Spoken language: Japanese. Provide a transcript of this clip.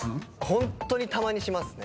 ホントにたまにしますね。